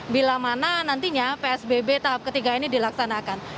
bila mana nantinya psbb tahap ketiga ini dilaksanakan